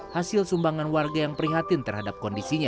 hasil sumbangan warga yang prihatin terhadap kondisinya